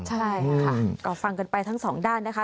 ใช่ค่ะก็ฟังกันไปทั้งสองด้านนะคะ